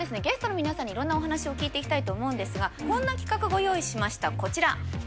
ゲストの皆さんにいろんなお話を聞いていきたいと思うんですがこんな企画ご用意しましたこちら。